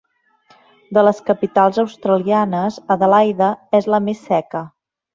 De les capitals australianes, Adelaida és la més seca.